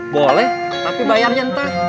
boleh tapi bayarnya entah